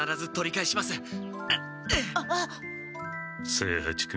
清八君。